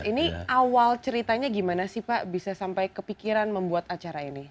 ini awal ceritanya gimana sih pak bisa sampai kepikiran membuat acara ini